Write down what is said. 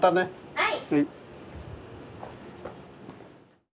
はい。